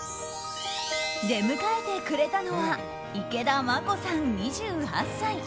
出迎えてくれたのは池田真子さん、２８歳。